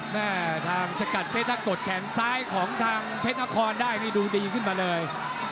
แม่ทางสกัดเพชรถ้ากดแขนซ้ายของทางเพชรนครได้นี่ดูดีขึ้นมาเลย